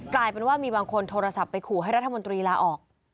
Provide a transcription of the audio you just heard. กลายเป็นว่ามีบางคนโทรศัพท์ไปขู่ให้รัฐมนตรีลาออก